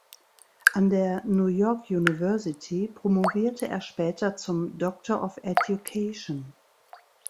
An der New York University promovierte er später zum "Doctor of education".